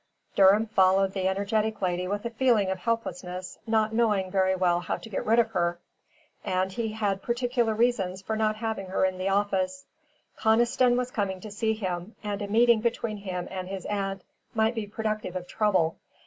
Durham followed the energetic lady with a feeling of helplessness, not knowing very well how to get rid of her. And he had particular reasons for not having her in the office. Conniston was coming to see him, and a meeting between him and his aunt might be productive of trouble.